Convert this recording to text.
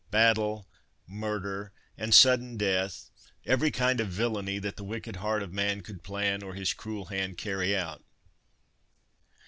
"Battle, murder, and sudden death, every kind of villany that the wicked heart of man could plan, or his cruel hand carry out.